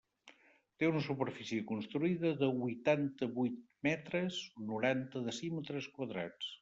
Té una superfície construïda de huitanta-huit metres, noranta decímetres quadrats.